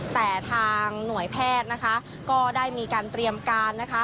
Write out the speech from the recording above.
แต่ทางหน่วยแพทย์นะคะก็ได้มีการเตรียมการนะคะ